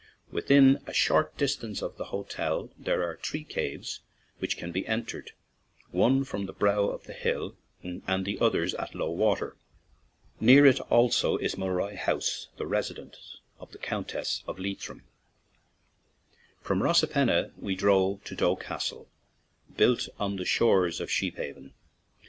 Within a short distance of the hotel are three caves which can be entered, one from the brow of the hill and the others at low water. Near it also is 20 PORT SALON TO DUNFANAGHY Mulroy House, the residence of the Count ess of Leitrim. From Rosapenna we drove to Doe Castle, built on the shores of Sheephaven.